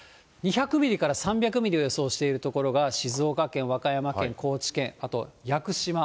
２００ミリから３００ミリを予想している所が、静岡県、和歌山県、高知県、あと屋久島。